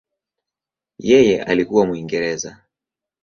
Yeye alikuwa Mwingereza.